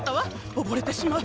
おぼれてしまう。